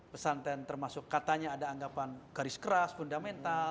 pesantren termasuk katanya ada anggapan garis keras fundamental